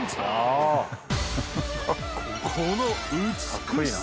この美しさ。